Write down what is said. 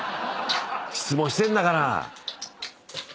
質問してんだから。